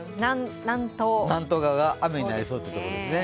南東側が雨になりそうというところですね。